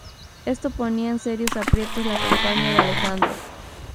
Esto ponía en serios aprietos la campaña de Alejandro.